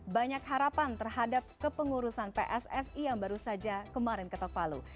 banyak harapan terhadap kepengurusan pssi yang baru saja kemarin ketok palu